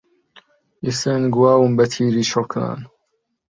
ئێستە ئەنگواوم بەتیری چڵکنان